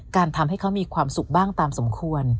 การทำให้เขามีความสุขบ้างตามสมควร